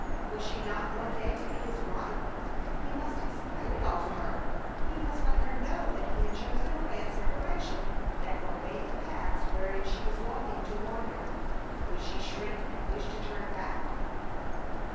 Was she not one day to be his wife? He must explain it all to her. He must let her know that he had chosen a way of separation that forbade the paths wherein she was longing to wander. Would she shrink and wish to turn back?